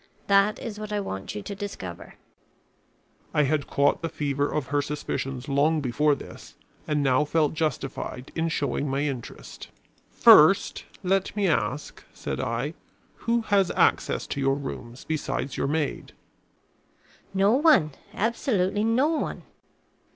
That is what I want you to discover." I had caught the fever of her suspicions long before this and now felt justified in showing my interest. "First, let me ask," said I, "who has access to your rooms besides your maid?" "No one; absolutely no one."